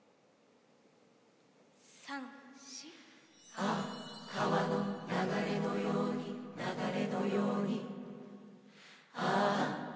「ああ川の流れのように流れのように」